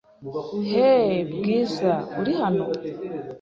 Hey, Bwiza, uri hano?